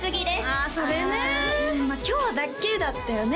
ああそれねうん今日だけだったよね